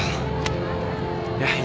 gak usah berantem ya